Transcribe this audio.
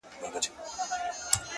o د ملا لوري نصيحت مه كوه ـ